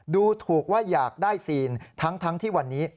ดูถูกว่าอยากได้ซีนทั้งที่วันนี้